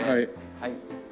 はい。